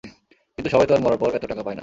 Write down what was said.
কিন্তু সবাই তো আর মরার পর এত টাকা পায় না!